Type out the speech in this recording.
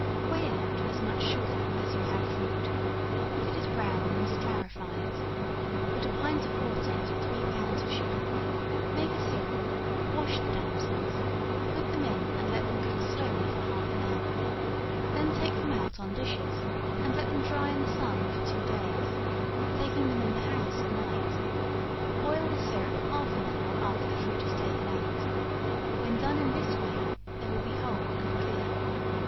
Weigh out as much sugar as you have fruit; if it is brown you must clarify it; put a pint of water to three pounds of sugar, make a syrup, wash the damsons, put them in and let them cook slowly for half an hour; then take them out on dishes, and let them dry in the sun for two days, taking them in the house at night; boil the syrup half an hour after the fruit is taken out; when done in this way they will be whole and clear.